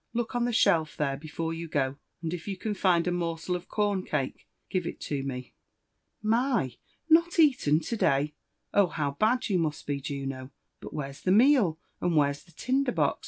Look on the shelf there, before you go ; and if you can find a morsel of corn cake, give it to me." "My — 1 not eaten to day 1 ^oh, how bad you must be, Juno I But Where's the meal, and where's the tinder box?